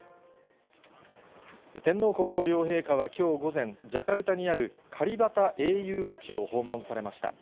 天皇皇后両陛下はきょう午前、ジャカルタにあるカリバタ英雄墓地を訪問されました。